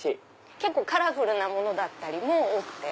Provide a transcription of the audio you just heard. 結構カラフルなものも多くて。